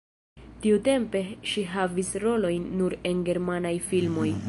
Tiutempe ŝi havis rolojn nur en germanaj filmoj.